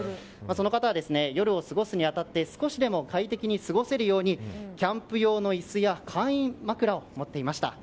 その方は、夜を過ごすに当たって少しでも快適に過ごせるようにキャンプ用の椅子や簡易枕を持っていました。